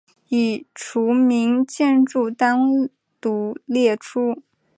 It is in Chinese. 已除名建筑单独列出。